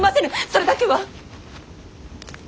それだけは！